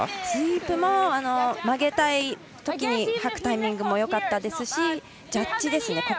スイープも曲げたいときにはくタイミングもよかったですしあとジャッジですね。